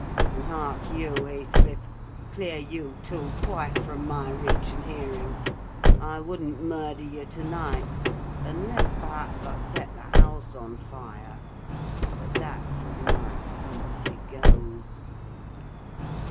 And hark you, Heathcliff! clear you too quite from my reach and hearing. I wouldn't murder you to night; unless, perhaps, I set the house on fire: but that's as my fancy goes."